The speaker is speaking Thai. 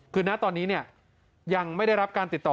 คือณตอนนี้ยังไม่ได้รับการติดต่อ